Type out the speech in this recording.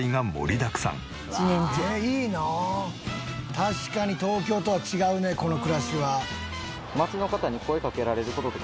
確かに東京とは違うねこの暮らしは。